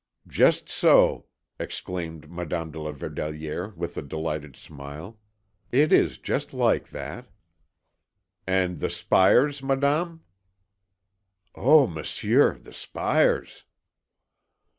"Just so!" exclaimed Madame de la Verdelière with a delighted smile. "It is just like that." "And the spires, Madame?" "Oh, Monsieur, the spires!..."